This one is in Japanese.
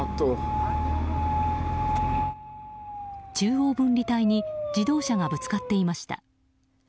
中央分離帯に自動車がぶつかっていました。